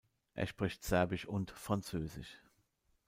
Er spricht Serbisch und Französisch.